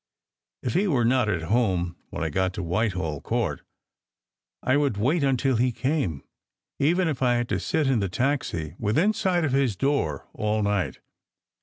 If he were not at home when I got to Whitehall Court I would wait until he came, even if I had to sit in the taxi, within sight of his door, all night.